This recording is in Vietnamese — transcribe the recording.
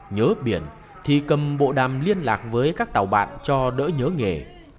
nhớ biển thì cầm bộ đàm liên lạc với các tàu bạn cho đỡ nhớ nghề